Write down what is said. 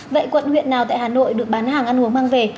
vậy quận huyện nào tại hà nội được bán hàng ăn uống mang về